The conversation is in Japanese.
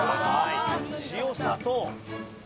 塩砂糖。